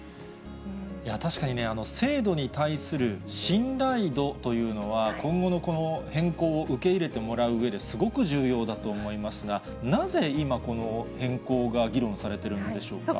確かにね、制度に対する信頼度というのは、今後のこの変更を受け入れてもらううえですごく重要だと思いますが、なぜ今、この変更が議論されてるんでしょうか。